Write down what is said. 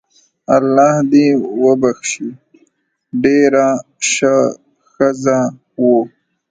الله دي وبخښي ډیره شه ښځه وو